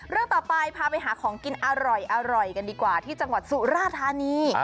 เรื่องต่อไปพาไปหาของกินอร่อยกันดีกว่าที่จังหวัดสุราธานี